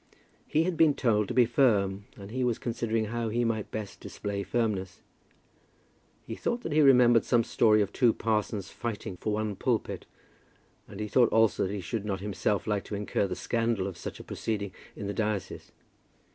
He had been told to be firm, and he was considering how he might best display firmness. He thought that he remembered some story of two parsons fighting for one pulpit, and he thought also that he should not himself like to incur the scandal of such a proceeding in the diocese.